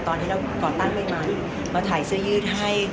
ตอนที่เราก่อตั้งใหม่มาถ่ายเสื้อยืดให้